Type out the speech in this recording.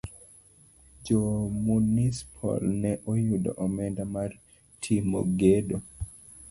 Jo munispol ne oyudo omenda mar timo gedo.